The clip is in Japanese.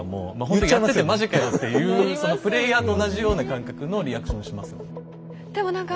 ほんとやって「マジかよ」っていうそのプレイヤーと同じような感覚のリアクションをしますもん。